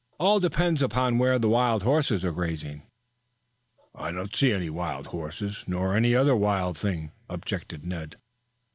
All depends upon where the wild horses are grazing." "I don't see any wild horses, nor any other wild anything," objected Ned.